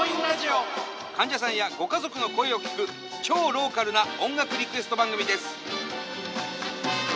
患者さんやご家族の声を聞く超ローカルな音楽リクエスト番組です。